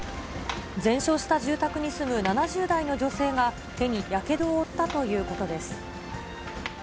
全焼した住宅に住む７０代の女性が、手にやけどを負ったということです。